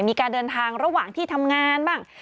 มีการเดินทางระหว่างที่ทำงานบ้าง